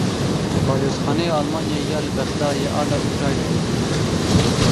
Balyozxaneya Almanyayê ya li Bexdayê ala Ukraynayê bilind kir.